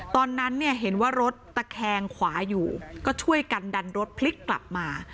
ตอนนั้นเนี่ยเห็นว่ารถตะแคงขวาอยู่ก็ช่วยกันดันรถพลิกกลับมา